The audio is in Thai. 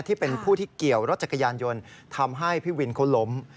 ที่เป็นผู้ที่เกี่ยวรถจักรยานยนต์ทำให้พี่วินเขาล้ม